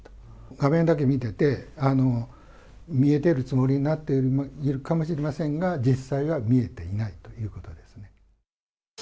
画面だけ見てて、見えてるつもりになっているかもしれませんが、実際は見えていないということですね。